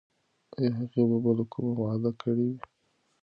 ایا هغې به بله کومه وعده کړې وي؟